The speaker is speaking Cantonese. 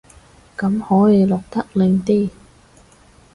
咁可以落得靚啲